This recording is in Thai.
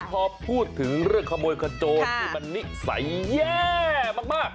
พอพูดถึงเรื่องขโมยขโจรที่มันนิสัยแย่มาก